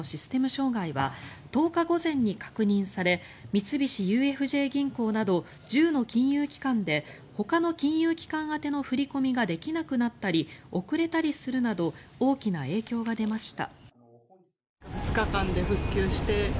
障害は１０日午前に確認され三菱ＵＦＪ銀行など１０の金融機関でほかの金融機関宛ての振り込みができなくなったり遅れたりするなど大きな影響が出ました。